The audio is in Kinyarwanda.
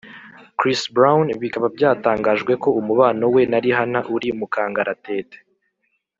chris brown bikaba byatangajwe ko umubano we na rihana uri mukangaratete